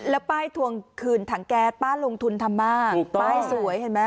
แล้วป้ายทวงคืนถังแก๊สป้าลงทุนทำมากป้ายสวยเห็นไหม